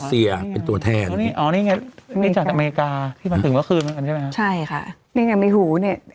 ที่มาถึงเมื่อคืนใช่ไหมคะที่เมื่อสุดอ่ะใช่ค่ะ